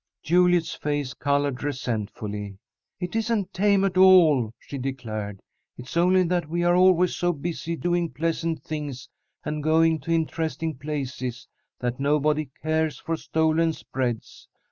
Juliet's face coloured resentfully. "It isn't tame at all!" she declared. "It's only that we are always so busy doing pleasant things and going to interesting places that nobody cares for stolen spreads.